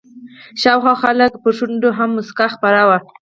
شاوخوا خلکو پر شونډو هم مسکا خپره وه.